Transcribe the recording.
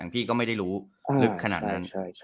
พี่ก็ไม่ได้รู้ลึกขนาดนั้น